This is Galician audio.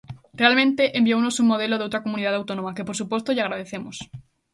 Realmente enviounos un modelo doutra comunidade autónoma, que, por suposto, lle agradecemos.